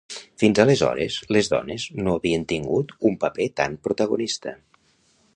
Fins aleshores, les dones no havien tingut un paper tan protagonista.